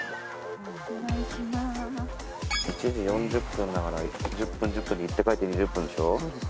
１時４０分だから１０分１０分で行って帰って２０分でしょう。